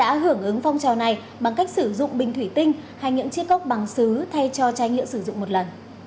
các trường học cũng đã hưởng ứng phong trào này bằng cách sử dụng bình thủy tinh hay những chiếc cốc bằng xứ thay cho chai nhựa sử dụng một lần